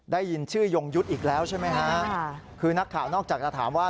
ได้ยินชื่อยงยุทธ์อีกแล้วใช่ไหมฮะคือนักข่าวนอกจากจะถามว่า